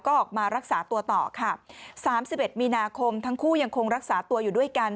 ก็ออกมารักษาตัวต่อค่ะสามสิบเอ็ดมีนาคมทั้งคู่ยังคงรักษาตัวอยู่ด้วยกัน